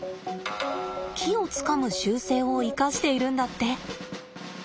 木をつかむ習性を生かしているんだって。